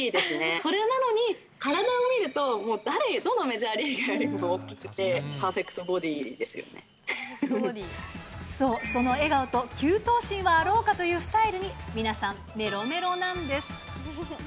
それなのに、体を見ると、もうどのメジャーリーガーよりも大きくて、パーフェクトボディーそう、その笑顔と９頭身はあろうかというスタイルに、皆さん、めろめろなんです。